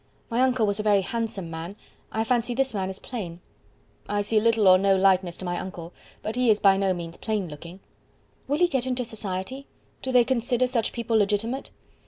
My uncle was a very handsome man; I fancy this man is plain." "I see little or no likeness to my uncle, but he is by no means plain looking." "Will he get into society? Do they consider such people legitimate?"